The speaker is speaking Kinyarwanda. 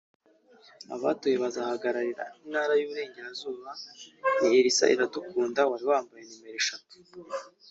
Abatowe bazahagararira Intara y’Uburengerazuba ni Elsa Iradukunda wari wambaye nimero eshatu